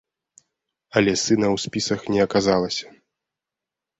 Але сына ў спісах не аказалася.